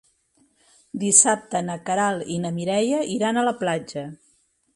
Dissabte na Queralt i na Mireia iran a la platja.